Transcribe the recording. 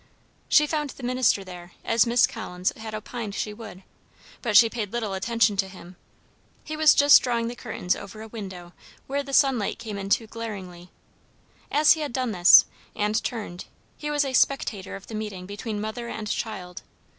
She found the minister there, as Miss Collins had opined she would; but she paid little attention to him. He was just drawing the curtains over a window where the sunlight came in too glaringly. As he had done this, and turned, he was a spectator of the meeting between mother and child.